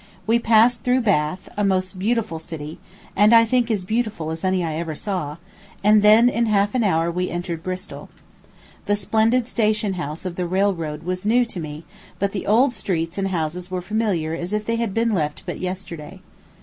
We passed through Bath, a most beautiful city, (and I think as beautiful as any I ever saw,) and then in half an hour we entered Bristol. The splendid station house of the railroad was new to me, but the old streets and houses were all familiar as if they had been left but yesterday.